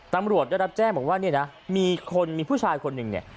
ตำรวจได้รับแจ้งบอกว่าเนี่ยนะมีคนมีผู้ชายคนหนึ่งเนี่ย